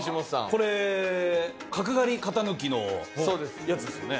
これ角刈り型抜きのやつですよね。